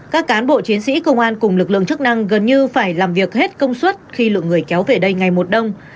các cán bộ chiến sĩ công an cùng lực lượng chức năng gần như phải làm việc hết công suất khi lượng người kéo về đây ngày một đông